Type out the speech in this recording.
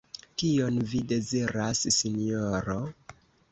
Kion vi deziras, Sinjoro?